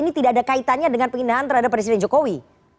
ini tidak ada kaitannya dengan penghinaan terhadap presiden jokowi